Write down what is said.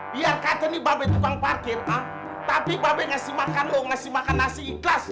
biar kata ini mba be tukang parkir tapi mba be ngasih makan lo ngasih makan nasi ikhlas